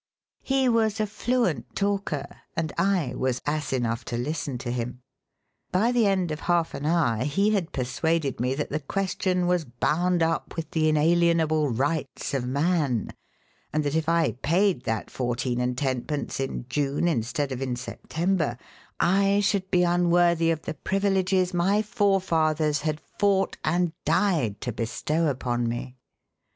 He was a fluent talker, and I was ass enough to listen to him. By the end of half an hour he had persuaded me that the question was bound up with the inalienable rights of man, and that if I paid that fourteen and tenpence in June instead of in September, I should be unworthy of the privileges my forefathers had fought and died to bestow upon me.